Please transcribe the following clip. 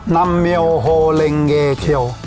นัมเมี๋โอโหใลงเยเกี๋ยว